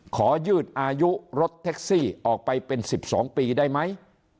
ยืดอายุรถแท็กซี่ออกไปเป็น๑๒ปีได้ไหม